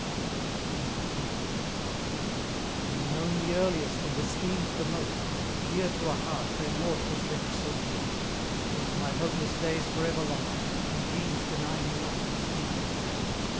XCII. Oh, known the earliest, and esteemed the most! Dear to a heart where nought was left so dear! Though to my hopeless days for ever lost, In dreams deny me not to see thee here!